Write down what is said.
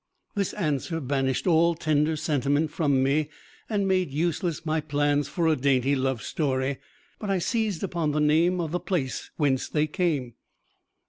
This answer banished all tender sentiment from me and made useless my plans for a dainty love story, but I seized upon the name of the place whence they came.